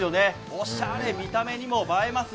おしゃれ、見た目にも映えます。